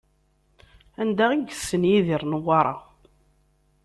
Anda i yessen Yidir Newwara?